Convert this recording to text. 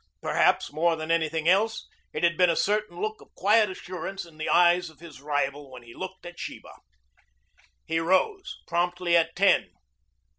Perhaps, more than anything else, it had been a certain look of quiet assurance in the eyes of his rival when he looked at Sheba. He rose promptly at ten.